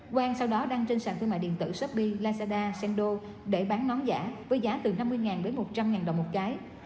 quang sau đó đăng trên sàn thương mại điện tử shopee lazada sendo để bán nón giả với giá từ năm mươi đến một trăm linh đồng một cái